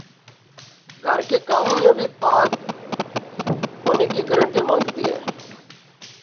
گھر کے کاموں میں بھی طاق ہونے کی گارنٹی مانگتی ہیں